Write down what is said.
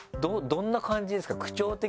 どんな感じですか？